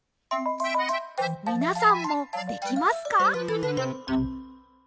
みなさんもできますか？